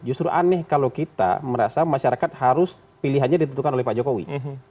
justru aneh kalau kita merasa masyarakat harus pilihannya ditentukan oleh pak jokowi